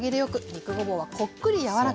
肉ごぼうはこっくり柔らか。